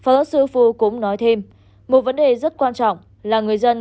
phó sư phu cũng nói thêm một vấn đề rất quan trọng là người dân